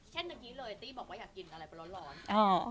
เมื่อกี้เลยตี้บอกว่าอยากกินอะไรไปร้อนกัน